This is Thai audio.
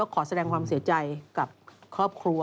ขอแสดงความเสียใจกับครอบครัว